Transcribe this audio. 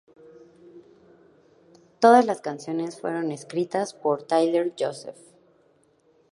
Todas las canciones fueron escritas por Tyler Joseph.